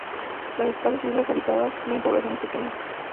Las escasas islas habitadas tienen poblaciones pequeñas.